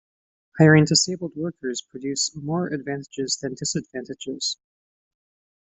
Hiring disabled workers produce more advantages than disadvantages.